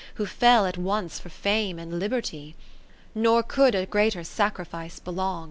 Who fell at once for Fame and Liberty ? Nor could a greater sacrifice belong.